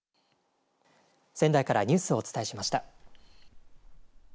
仙台からニュースをお伝えしました。